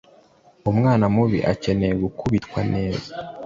Uwo mwana mubi akeneye gukubitwa neza.